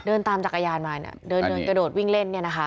เดินตามจักรยานมาเนี่ยเดินกระโดดวิ่งเล่นเนี่ยนะคะ